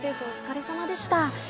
お疲れさまでした。